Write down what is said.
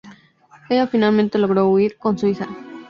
Ella finalmente logró huir con su hija.